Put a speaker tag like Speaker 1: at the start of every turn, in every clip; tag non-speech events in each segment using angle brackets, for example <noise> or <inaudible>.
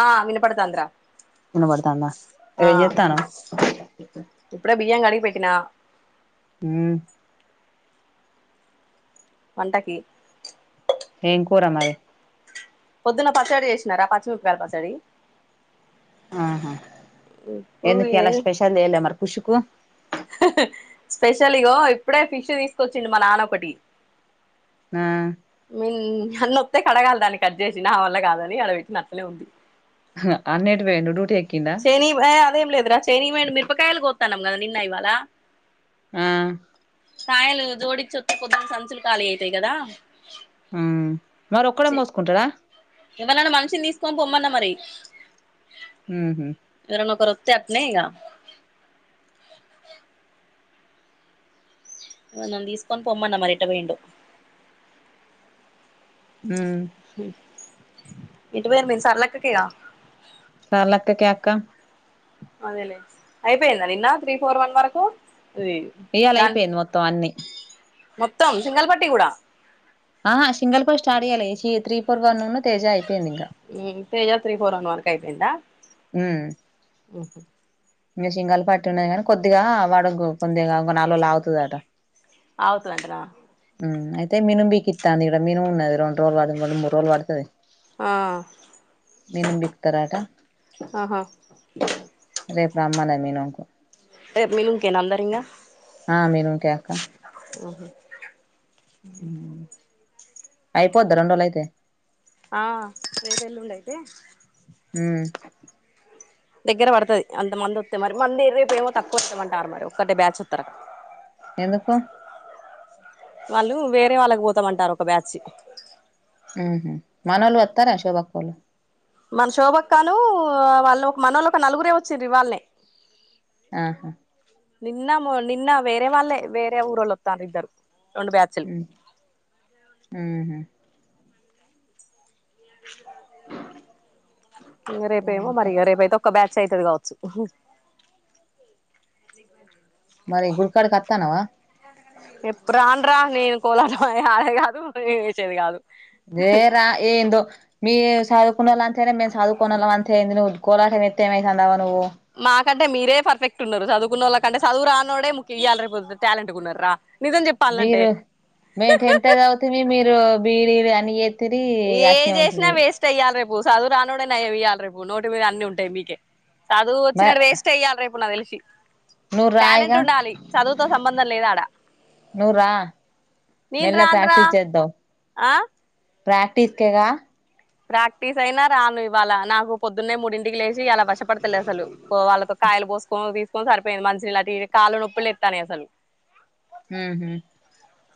Speaker 1: ఆ వినపడతంది రా
Speaker 2: వినపడతాంద ఏం జెత్తనావ్
Speaker 1: ఇప్పుడే బియ్యం గడిగి పెట్టినా
Speaker 2: ఉమ్
Speaker 1: వంటకి
Speaker 2: ఏం కూర మరి
Speaker 1: పొద్దున్న పచ్చడి చేసినారా పచ్చిమిరపకా యల పచ్చడి
Speaker 2: ఆహా
Speaker 1: ఇప్పుడు
Speaker 2: ఎందుకు
Speaker 1: ఏ
Speaker 2: ఇయలా స్పెషల్ ఎయిల మరి కుషుకు
Speaker 1: స్పెషల్ ఇగో ఇప్పుడే ఫిష్ తీసుకొచ్చిండు మా నాన్న ఒకటి
Speaker 2: ఆ
Speaker 1: మీన్ ధన్నొకటె కడగాలి దాన్ని కట్ చేసి నా వల్ల కాదని ఆడ పెట్టిన అట్లనే ఉంది
Speaker 2: అన్నేటు పోయిండు డ్యూటీ ఎక్
Speaker 1: శని అదేం లేదురా శనికీ పోయిండు మిరపకాయలు కోస్తానం కదా నిన్న ఇవాల
Speaker 2: ఆ
Speaker 1: కాయలు జోడిచ్చొస్త కొద్న్న సంచులు ఖాళీ అయితాయి కదా
Speaker 2: ఆ మరోక్కడే మోసుకుంటడా
Speaker 1: ఎవర్ నన్నా మనిషిని తీసుకొని పొమ్మన్నా మరి
Speaker 2: ఉమ్ హు
Speaker 1: తేప్నీ గా వన్ద తీసుకొన్ పోొమ్మన్న మరి ఏట పోయిండో
Speaker 2: ఉమ్
Speaker 1: ఎటు పోయిండ్రు మీర్ సరళక్క కే గా
Speaker 2: సర్లక్కకి అక్క
Speaker 1: అదేలే అయిపోయింద నిన్న త్రీ ఫోర్ వన్ వరకు
Speaker 2: ఇయ్యాల
Speaker 1: దాని
Speaker 2: అయిపోయింది మొత్తం అన్ని
Speaker 1: మొత్తం సింగల్ పట్టి కూడా
Speaker 2: ఆహా సింగల్ పర్ స్టార్ట్ గ త్రీ ఫర్ వన్ ను తేజ అయిపోయింది ఇంకా
Speaker 1: ఉమ్ Teja three four one one కి అయిపోయిందా
Speaker 2: ఆ
Speaker 1: ఓహా
Speaker 2: ఇంకా సికాలు పట్టి ఉన్నాయి కానీ కొద్దిగా వాడ కొద్దిగా నాలుులాగుతుందట
Speaker 1: ఆవుత్ అంటరా
Speaker 2: అయితే మినము బీకి ఇాంది ఇక్క మిను ఉది రెం రోజులుడుడుూడు రోులు పడుతుది
Speaker 1: ఆ
Speaker 2: పీకుతారట
Speaker 1: ఆహా
Speaker 2: రేపు్రాహ్మాద మీినకు
Speaker 1: మీను ఇంకేనా అందారంగ
Speaker 2: ఆ మీరు కక
Speaker 1: ఓహో
Speaker 2: అయిపోద్దా రెంోళ్ల అయితే
Speaker 1: ఆ రేపు వెల్లుండ అయితే
Speaker 2: హ
Speaker 1: దగ్గర పడుతుంది అంత మంది వస్తా మరి మంది ఎపో ఏమో తక్కువ వస్తేమంటారు మరి ఒక్కటే బ్యాచ్ వస్తారు
Speaker 2: ఎంతప్ప
Speaker 1: వాళ్ళు వేరే వాళ్ళకి పోతామంటారు ఒక బ్యాచ్ి
Speaker 2: ఉ మనలు వస్తారా అ శోభకుోళ
Speaker 1: మన శోభక్కాను వాళ్ళు ఒక మనళ్ళ ఒక నలుగురే వచ్చి్ర వాళ్ళ
Speaker 2: ఆహా
Speaker 1: నిన్న మ నిన్న వేరే వాళ్ళే వేరే ఊరల్ొత్తద్దారు
Speaker 2: ఆ
Speaker 1: రేపు ఏవో మరి
Speaker 2: ఇంకా
Speaker 1: రేపుయతో ఒక బ్యాచ్ అవుతుంది కావచ్చు
Speaker 2: మరి గుడికాడకి వస్తానవా
Speaker 1: ఎప్పు రాన్రా నేను కోలాటం అ అదే కాదు నేను వేసేది కాదు
Speaker 2: నేరా ఏంద మీ సాధవుకున్న వాళ్ళు అంతేనా మేము సాధవుకు వాళ్ళ అంతే అంది నువ్వు గోలాటం ఎత్తే ఏమవుతు అందావా నువ్వు
Speaker 1: కంటే మీరే పర్ఫెక్ట్ ఉన్నారు చదువుకున్నళ్ళకంటే చదువు రా అన్నడే ము ఇ్యాలేపో టాలెంట్ ఉన్నారు రా నిజం చెప్పాలంటే
Speaker 2: మీరు మే టెన్త్ అది అవుతుంది మీరు బీడి అని
Speaker 1: ఏ చేసినా వేస్ట్ అయ్యాలి రేపుూ సో అవు రానుడే నయ ఇయ్యాలి రేపు నోటి మీద అన్ని ఉంటాయి మీకే స అది వచ్చినడు వేస్ట్ అయ్యాలి రేపు నా తె
Speaker 2: నూర ఇగా
Speaker 1: చదువుతో సంబంధం లేదు ఆడ
Speaker 2: నూర
Speaker 1: నేను
Speaker 2: మెల్ల
Speaker 1: రాను రా
Speaker 2: ప్రాక్టీస్ చేద్దాం
Speaker 1: ఆ
Speaker 2: ప్రాక్టీస్కేగా
Speaker 1: ప్రాక్టీస్ అయినా రాను ఇవాళ నాకు పొద్దున్నే మూడింటికి లేచి అలా వశపడతలే అసలు పో వాళ్ళతో కాయలు పోసుకొని తీసుకొని సరిపోయింది మంచిషిన ఇలా కాళ్ళు నొప్పులు ఎస్తాని అసలు
Speaker 2: హ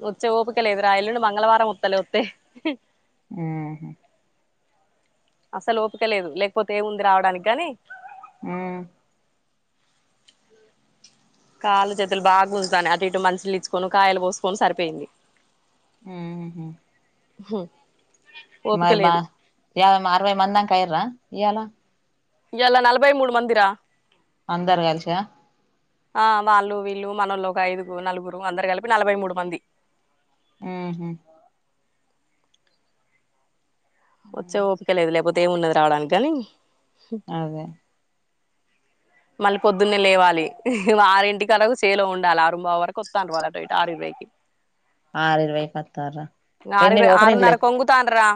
Speaker 1: ముచ్చే ఊపుికలేదరా ఇల్ మంగళవారం ముత్తలే ఉత్తే
Speaker 2: ఆ
Speaker 1: అసలు ఓపిక లేదు లేకపోతే ఏముంది రావడానికి గాని
Speaker 2: ఆ
Speaker 1: కాళ్ళ చేతులు బాగా ఉంచుతాని అటు ఇటు మషులు ఇచ్చుకొని కాయలు పోసుకొని సరిపోయింది
Speaker 2: ఆ
Speaker 1: హ
Speaker 2: మ ఏయాై అరవై మందిందా కై ఇయాల
Speaker 1: ఇలా నలభై మూడు మందిరా
Speaker 2: అందరు కలిసా
Speaker 1: ఆ వాళ్ళు వీళ్ళు మనళ్ళు ఒక ఐదుగురు నలుగురు అందరు కలిపి నలభై మూడు మంది
Speaker 2: ఆ
Speaker 1: వచ్చే ఓపిక లేదు లేకపోతే ఏమి ఉన్నది రావడానికి కాని
Speaker 2: అదే
Speaker 1: మళ్ళీ పొద్దున్నే లేవాలి ఆరింటిరకి కేలాగ సేలో ఉండాల ఆరుం బావు వరకు వస్తాండ్రు అటు ఇటు ఆరై ఇరవై
Speaker 2: ఆరు ఇరువైకి ఒత్తార్ర
Speaker 1: ఆరు
Speaker 2: ఎన్ని
Speaker 1: ఇరవై
Speaker 2: ఒకడిం
Speaker 1: ఆరున్నరకు ఒంగుతాండ్రా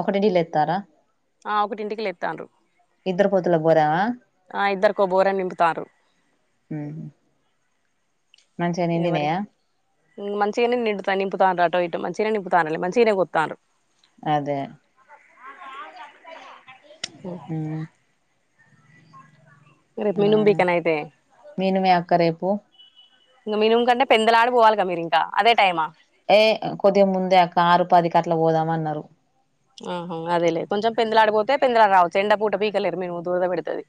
Speaker 2: ఒకటింటికి లేత్తార్రా?
Speaker 1: ఆ ఒకటింటికి లేత్తాండ్రు.
Speaker 2: ఇద్దరుపోతులకు బోరా?
Speaker 1: ఆ ఇద్దరికో బోరని నింపుతార్రు.
Speaker 2: ఉ
Speaker 1: ఇది మరి ఇంగ్ మంచిగనం నిం నింపుతాండ్రు ఆటో ఇటు మంచినే నింపుతాండ్రు మంచిగనే కోత్తాండ్రు
Speaker 2: అదే
Speaker 1: ఆ <unintelligible>
Speaker 2: ఉమ్
Speaker 1: రేపు
Speaker 2: ఆ
Speaker 1: మినుం బీకేయనా అయితే
Speaker 2: నేను మీ అక్క రేపు
Speaker 1: ఇంగ మినుం కంటే పెందలాడే పోవాలగా మీరింకా అదే టైమా
Speaker 2: ఏ కొద్దిగా ముందే అక్క ఆరుపదికట్ల పోదాము అన్నారు.
Speaker 1: ఆహా అదేలే. కొంచెం పెందలాడిపోతే పెందలాడ రావచ్చు ఎండ పూట పీకలేరు మీరు దురద పెడతది.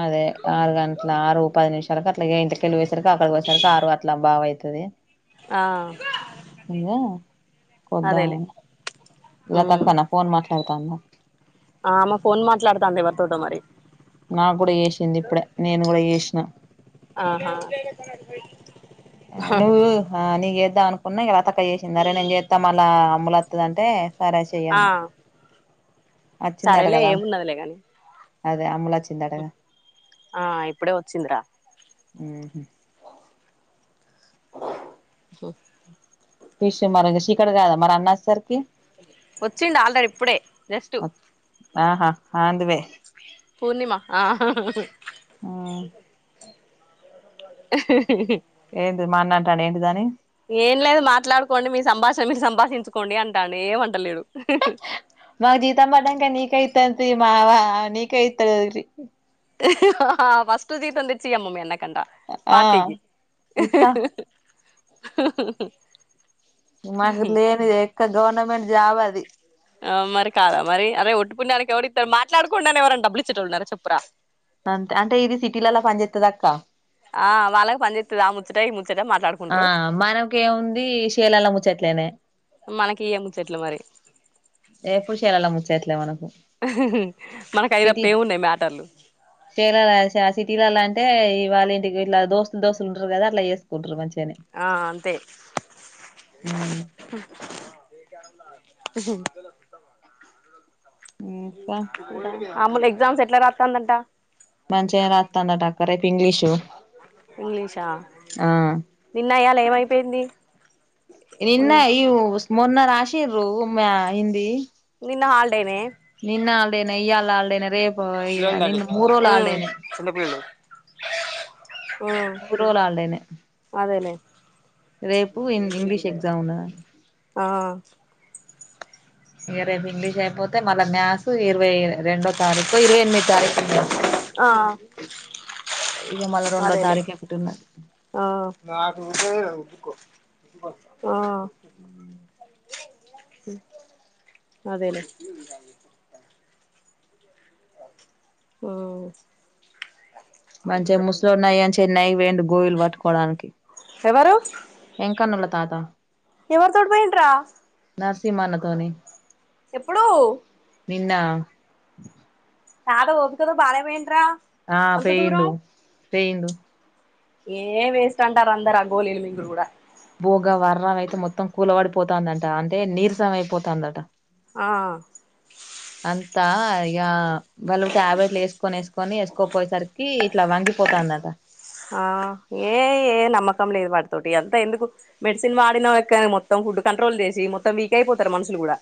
Speaker 2: అదే ఆరు గంటల ఆరు పది నిమిషాలకు అట్లా ఇంటికెళ్ళి వేసరికి అక్కడికి పోసరికి ఆరు అట్ల బావు అయితది.
Speaker 1: ఆ
Speaker 2: ఇంగా
Speaker 1: అదేలే
Speaker 2: కొద్దామని. ఇలా తక్కన్న ఫోన్ మాట్లాడతాన్న.
Speaker 1: ఆ అమ్మ ఫోన్ మాట్లాడతాంది, ఎవరితోటో మరి
Speaker 2: నాకు కూడా చేసింది ఇప్పుడే నేను కూడా చేసిన
Speaker 1: ఆహ
Speaker 2: నువ్వు ఆ నీగ్ ఎద్దాం అను ఉన్నాయ్ కదా తక్క చేసింది అరే నేం చేత్తా అలా అమ్ములు వత్తది అంటే సరే చెయ్
Speaker 1: ఆ
Speaker 2: అన్న అచ్చిందట
Speaker 1: సరేలే
Speaker 2: కదా
Speaker 1: ఏమున్నదిలే కాని
Speaker 2: అదే అమ్ములు వచ్చిందటగా?
Speaker 1: ఆ ఇప్పుడే వచ్చిందిరా?
Speaker 2: ఊహు ఫిష్ మరి చీకటి కాదా మరి అన్న అచ్చేసరికి
Speaker 1: వచ్చిండు ఆల్డర్ ఇప్పుడే జస్టు
Speaker 2: ఆహా ఆందివే
Speaker 1: పూర్ణిమా ఆ
Speaker 2: ఉమ్ ఏంటిది మా అన్న అంటాండు ఏంటిది అని
Speaker 1: ఏం లేదు మాట్లాడుకోండి మీ సంభాషణ మీరు సంభాషించుకోండి అంటాండు ఏమంటలేడు
Speaker 2: మాగ్ జీతమ్ పడ్డాంక నీకె ఇత్తాం తీ బావ నీకే ఇత్తర్రి.
Speaker 1: ఆ ఫస్ట్ జీతం తెచ్చియామ్మ మీ అన్నక్ కంటా
Speaker 2: ఆ
Speaker 1: పార్టీ కి
Speaker 2: ఇత్త మాకు లేనిద ఎక్క గవర్నమెంట్ జాబ్ అది
Speaker 1: ఆ మరి కాదా మరి అదే ఒట్టి పుణ్యానికి ఎవరిత్తరు మాట్లాడుకుండానే ఎవరన్ డబ్బులిచ్చేటోల్లు ఉన్నారా చెప్పురా.
Speaker 2: ఇత్తదక్కా
Speaker 1: ఆ వాళ్ళకి పనిచేత్తది ఆ ముచ్చట ఈ ముచ్
Speaker 2: ఆ మనకేముంది శేలలా ముచ్చట్లేనే
Speaker 1: మనకి ఇయ్యే ముచ్చట్లు మరి
Speaker 2: ఎప్పుడు చీరలా ముచ్చట్లే మనకు
Speaker 1: మనకు అయి తప్ప
Speaker 2: సిటీ
Speaker 1: ఏమున్నయి మ్యాటర్లు
Speaker 2: చీరలేసే సిటీలల్లా అంటే ఇవాళ్ళ ఇంటికి ఇట్లా దోస్తులు దోస్తులు ఉంటారు కదా అట్ల చేసుకుంటారు మంచి
Speaker 1: ఆ అంతే
Speaker 2: ఉమ్ ఇంకా
Speaker 1: అమ్ములు ఎగ్జామ్స్ ఎట్లా రాత్తాందంట.
Speaker 2: మంచిగా రాత్తందట అక్క రేపు ఇంగ్లిష్
Speaker 1: ఇంగ్లీషా నిన్నియ్యలా ఏమైపోయింది
Speaker 2: నిన్న
Speaker 1: మొన్న
Speaker 2: ఇ మొన్న రాసింర్రు ఉ మ హిందీ
Speaker 1: నీన్న హాల్డేనే
Speaker 2: నిన్న హాలిడే నే ఇయ్యాల ఈరోజు హాలిడే రేపు మూడు రోజులు హాలిడేనే
Speaker 1: ఉమ్ ఉమ్
Speaker 2: మూరోజులు హాలిడేనే
Speaker 1: అదేలే
Speaker 2: రేపు ఇన్ ఇంగ్లీష్ ఎగ్జామ్ ఉన్నదా
Speaker 1: ఆ
Speaker 2: ఇగా రేపు ఇంగ్లీష్ అయిపోతే మళ్ళ మ్యాథ్స్ ఇరవై రెండో తారీఖు ఇంకో ఇరవై ఎనిమిది తారీఖు ఉన్నది
Speaker 1: ఆ
Speaker 2: ఇక మళ్ళీ రెండో
Speaker 1: అదేలే
Speaker 2: తారీఖు ఒకటి ఉన్నది
Speaker 1: ఆ ఆ అదేలే ఆ
Speaker 2: మంచిగా ముస్లున్నాయ అని చెన్నై పోయిండు గోయిల్ వట్టుకోడానికి
Speaker 1: ఎవరు
Speaker 2: వెంకన్న వాళ్ళ తాత
Speaker 1: ఎవరితోటి పోయిండ్రా
Speaker 2: నర్స్ మనతోని
Speaker 1: ఎప్పుడు
Speaker 2: నిన్న
Speaker 1: తాత ఓపికతోని బానే పోయిండురా
Speaker 2: ఆ పోయిండు పోయిండు
Speaker 1: ఏ వేస్ట్ అంటారు అందరు ఆ గోలీలుమింగుడు కూడా
Speaker 2: భోగా వర్రంమే అయితే మొత్తం కూలవడిపోతందంట అంటే నీరసం అయిపోతందట
Speaker 1: ఆ
Speaker 2: ఇగ వాళ్ళు టాబ్లెట్లు వేసుకొని వేస్క్ కొని వేసుకోపోయేసరికి ఇట్ల వంగిపోతందట
Speaker 1: ఆ ఏ ఏ నమ్మకం లేదు వాడితోటి అంతా ఎందుకు మెడిసిన్ వాడిన ఎక్కనే మొత్తం ఫుడ్ కంట్రోల్ చేసి మొత్తం వీక్ అయిపోతరూ మనుషులు కూడా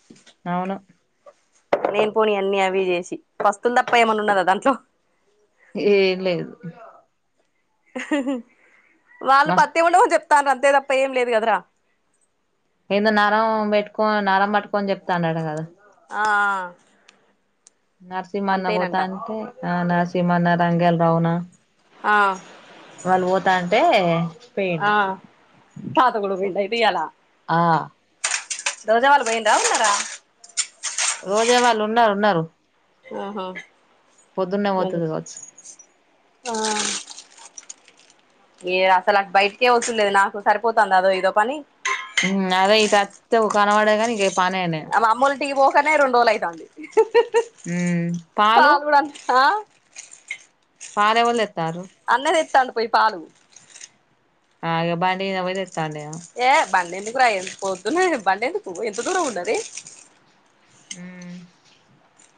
Speaker 2: అవును
Speaker 1: లేని పోనీ అన్ని అవి చేసి పస్తులు తప్ప ఏమైన్నా ఉన్నదా దాంట్లో
Speaker 2: ఏం లేదు
Speaker 1: వాళ్ళు
Speaker 2: మస్
Speaker 1: పత్తేం ఉండమని చెప్తల్లు అంతే తప్ప ఏం లేదు కదరా
Speaker 2: ఏదో నరం పెట్టుకో నరం పట్టుకోని చెప్తాండట కదా
Speaker 1: ఆ ఆ
Speaker 2: నరసింహన్న పోతా అంటే ఆ నరసింహన్న రంగాల్ రవనా
Speaker 1: ఆ
Speaker 2: వాళ్ళు పోత అంటే
Speaker 1: ఆ
Speaker 2: పోయిండు.
Speaker 1: తాత కూడా పోయిండు అయితే ఇయ్యాల
Speaker 2: ఆ
Speaker 1: రోజా వాళ్లు పోయిరా ఉన్నారా
Speaker 2: రోజా వాళ్ళు ఉన్నారు ఉన్నారు
Speaker 1: ఆహా
Speaker 2: పొద్దున్నే
Speaker 1: ఆ
Speaker 2: పోతది కావచ్చు
Speaker 1: ఏ అసలు అటు బయటికే వచ్చుడు లేదు నాకు సరిపోతుంది అదో ఇదో పని
Speaker 2: అదే ఇటు అత్తే కనపడు ఇగ పనేనాయే
Speaker 1: టీ పోకనే రెండు రోజులు అయితాంది పాలు కూడానా
Speaker 2: పాలు ఎవ్వలు
Speaker 1: అన్న తెస్తాండు పోయి పాలు
Speaker 2: ఆ ఇగా బండి మీద పోయి తెస్తాండేమో
Speaker 1: ఏ బండి ఎందుకురా పోద్దున్నా బండి ఎందుకు ఎంత దూరం ఉన్నది
Speaker 2: ఉమ్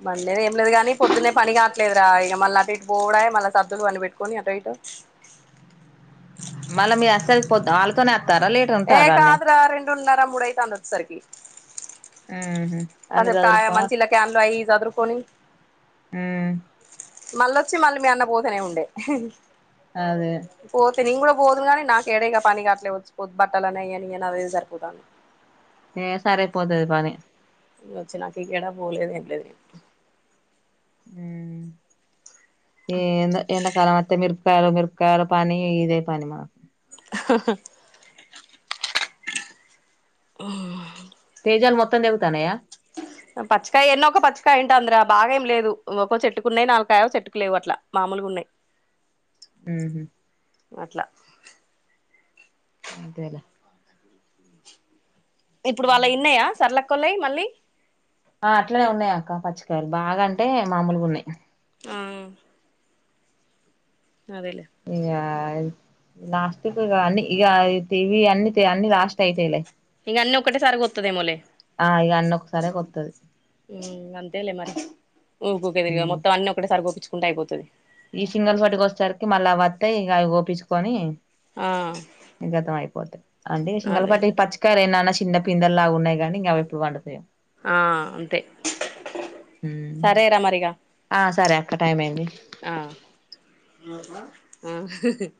Speaker 1: బండి లేదు ఏం లేదు గానీ పొద్దునే పని కావట్లేదు రా ఇగా మళ్ళ అటు ఇటు పోవుడాయే మళ్ళ సద్దులు వండి పెట్టుకొని ఆటో ఇటో
Speaker 2: మళ్ళ మీ అస వాళ్లతోనే అత్ వత్తర లేట్ ఉంటారా అన్నె
Speaker 1: మూడున్నర ముడైతాంది వచ్చెసరికి
Speaker 2: అవున
Speaker 1: అసే కా మన్ంచిలా కన్లు అయి <unintelligible> సదరు కొన్ని మళ్ళొచ్చి మళ్ళీ మీ అన్న పోతేనే ఉండే
Speaker 2: అదే
Speaker 1: పోతే నే నికూడా పోదు కాగాని నాకు ఎడేగాని పని కావట్లే వచ్చి పోద్దకానే <unintelligible> అనేయని అదే సరిపోతాంది
Speaker 2: ఇంగా సరిపోతాది పనీ
Speaker 1: వచ్చినాక ఎక్కడ పోలేదు ఏం లేదు
Speaker 2: ఎందో తిన తరువాత మిరుపకాయలు మిర్కాయల పాని ఇదే పని మాకు
Speaker 1: ఉహ్ మ్మ్
Speaker 2: <unintelligible> మొత్తం తగ్గుతాన్నయ
Speaker 1: పచ్చకాయ ఎన్నో ఒక పచ్చకాయ ఉంటాంది రా బాగా ఏం లేదు ఒక్కో చెట్టుకు ఉన్నాయి ఇంకొ చెట్టుకు లేవు అట్లా మామూలుగా ఉన్నాయి
Speaker 2: ఉహు
Speaker 1: అట్లా
Speaker 2: అంతేలె
Speaker 1: ఇప్పుడు వాళ్ళ వి ఉన్నాయా సరళక్క వాళ్ళవి మళ్ళీ
Speaker 2: ఆ అట్లనే ఉన్నాయి అక్క పచ్చికయలు బాగా అంటే మామూలుగా ఉన్నాయి
Speaker 1: అవును
Speaker 2: ఇంగా లాస్ట్ కి ఇగ అన్ని ఇగ తెగి అన్ని లాస్ట్ అయితాయిలే
Speaker 1: ఇగా అన్నీ ఒక్కటేసారి కోత్తదేమోలే
Speaker 2: ఆ ఇగ అన్ని ఒకసారే కొత్తది
Speaker 1: మ్మ్ అంతేలే మరి ఊకుకే దిరిగా మొత్తం అన్ని ఒకటే సారి కోపించుకుంటే అయిపోతాది
Speaker 2: ఈ సింగల్ పటుకి వచ్చేసరికి మళ్ళ అవి వత్తాయి ఇగ అవి కోపించుకొని
Speaker 1: ఆ
Speaker 2: గతం అయిపోతాయి అంటే
Speaker 1: అదేలే
Speaker 2: సింగలపాట్టి పచ్చికాయలు అయిన చిన్న పిందెలాగా ఉన్నాయి కానీ అవి ఇంకా ఎప్పుడు పండుతాయో
Speaker 1: ఆ అంతే
Speaker 2: పండుతాయో
Speaker 1: సరేరా మరిగా
Speaker 2: ఆ సరే అక్క టైం అయింది
Speaker 1: నూరు నా